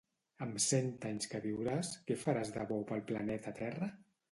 Amb cent anys que viuràs, què faràs de bo pel planeta Terra?